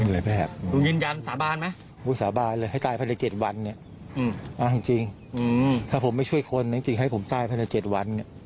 ลูกยินยันสาบานไหมลูกยินยันสาบานเลยให้ตายภายใน๗วันถ้าผมไม่ช่วยคนให้ผมตายภายใน๗วัน